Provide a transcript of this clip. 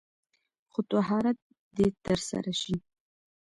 خو طهارت دې تر سره شي.